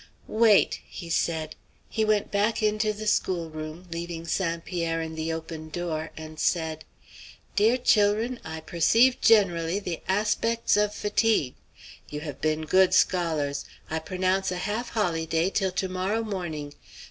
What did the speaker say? "Wait!" he said. He went back into the schoolroom, leaving St. Pierre in the open door, and said: "Dear chil'run, I perceive generally the aspects of fatigue. You have been good scholars. I pronounce a half hollyday till to morrow morning.